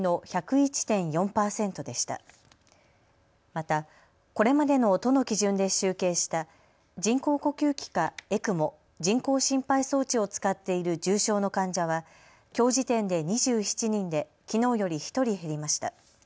また、これまでの都の基準で集計した人工呼吸器かＥＣＭＯ・人工心肺装置を使っている重症の患者はきょう時点で２７人できのうより１人減りました。